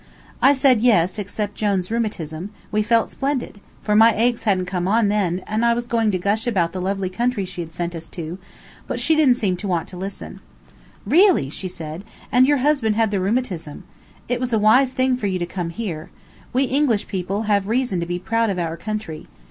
I said yes, except Jone's rheumatism, we felt splendid; for my aches hadn't come on then, and I was going on to gush about the lovely country she had sent us to, but she didn't seem to want to listen. "Really," said she, "and your husband had the rheumatism. It was a wise thing for you to come here. We English people have reason to be proud of our country.